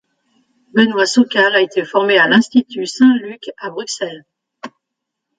Benoît Sokal a été formé à l’Institut Saint-Luc à Bruxelles.